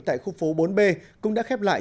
tại khu phố bốn b cũng đã khép lại